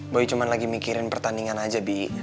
bu cuma lagi mikirin pertandingan aja bi